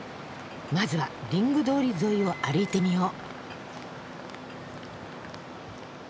まずはリング通り沿いを歩いてみよう。